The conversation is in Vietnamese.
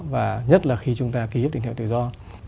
và nhất là khi chúng ta ký hiệp định tự do